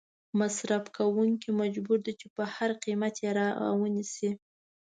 مصرف کوونکې مجبور دي چې په هر قیمت یې را ونیسي.